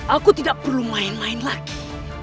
aku tidak perlu main main lagi